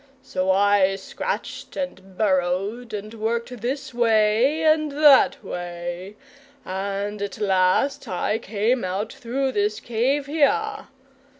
So I scratched and burrowed, and worked this way and that way and at last I came out through this cave here.